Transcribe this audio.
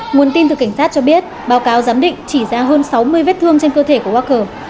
nguồn tin từ cảnh sát cho biết báo cáo giám định chỉ ra hơn sáu mươi vết thương trên cơ thể của wacker